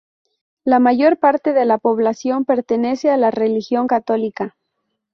La mayor parte de la población pertenece a la Religión Católica.